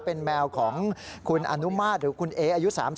เป็นแมวของคุณอนุมาตรหรือคุณเออายุ๓๐